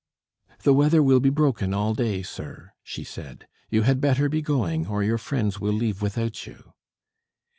"The weather will be broken all day, sir," she said. "You had better be going, or your friends will leave without you."